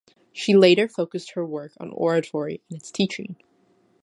She later focused her work on oratory and its teaching.